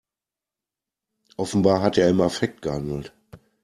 Offenbar hat er im Affekt gehandelt.